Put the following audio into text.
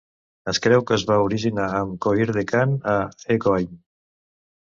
Es creu que es va originar amb Coirdhecan a Eoghain.